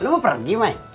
lu mau pergi mai